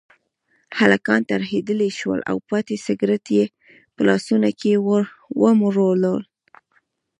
هلکان ترهېدلي شول او پاتې سګرټ یې په لاسونو کې ومروړل.